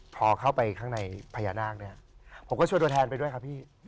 พอเข้าไปข้างในพญานาคเนี่ยผมก็ชวนตัวแทนไปด้วยครับพี่